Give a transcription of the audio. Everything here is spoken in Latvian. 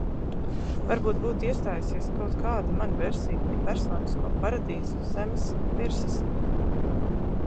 Varbūt būtu iestājusies kaut kāda mana versija par personisko paradīzi uz zemes virsas.